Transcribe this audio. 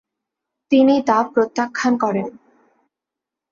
তিনি তা প্রত্যাখান করেন।